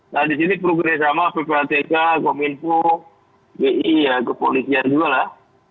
nah di sini progres sama ppatk kominfo bi ya kepolisian juga lah